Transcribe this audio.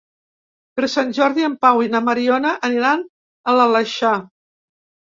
Per Sant Jordi en Pau i na Mariona aniran a l'Aleixar.